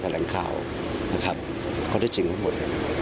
จะแถลงข่าวนะครับเขาได้จริงหมด